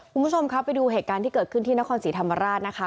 คุณผู้ชมครับไปดูเหตุการณ์ที่เกิดขึ้นที่นครศรีธรรมราชนะคะ